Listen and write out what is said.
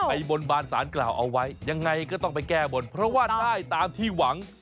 บนบานสารกล่าวเอาไว้ยังไงก็ต้องไปแก้บนเพราะว่าได้ตามที่หวัง